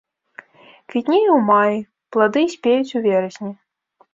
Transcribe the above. Квітнее ў маі, плады спеюць у верасні.